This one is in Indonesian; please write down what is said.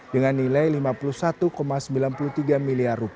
dengan nilai rp lima puluh satu sembilan puluh tiga miliar